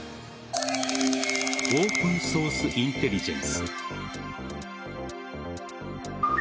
オープンソースインテリジェンス。